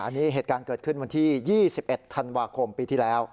อันนี้เหตุการณ์เกิดขึ้นวันที่๒๑ธันวาคมปีที่แล้ว